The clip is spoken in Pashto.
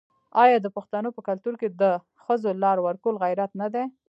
آیا د پښتنو په کلتور کې د ښځو لار ورکول غیرت نه دی؟